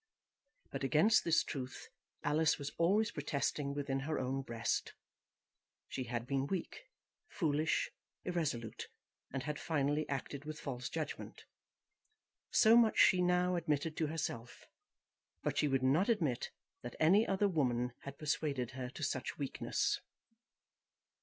But against this truth Alice was always protesting within her own breast. She had been weak, foolish, irresolute, and had finally acted with false judgement. So much she now admitted to herself. But she would not admit that any other woman had persuaded her to such weakness.